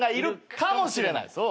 かもしれない。